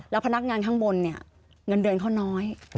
พนักงานข้างบนเนี่ยเงินเดือนเขาน้อย